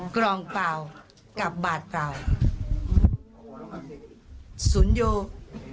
กล่องเปล่ากับบาทเปล่าสุนโย